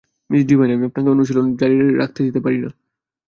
Miss Divine, আমি আপনাকে অনুশীলন জারি রাখতে দিতে পারি না।